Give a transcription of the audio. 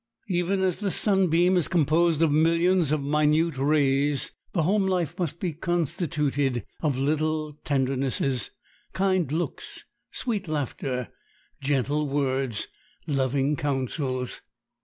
Even as the sunbeam is composed of millions of minute rays, the home life must be constituted of little tendernesses, kind looks, sweet laughter, gentle words, loving counsels.